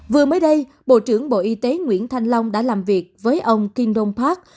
vừa mới đây bộ trưởng bộ y tế nguyễn thanh long đã làm việc với ông kim dong park